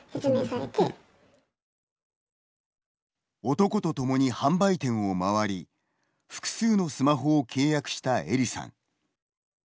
男と共に販売店をまわり複数のスマホを契約したエリさん。